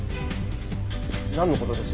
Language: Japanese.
なんの事です？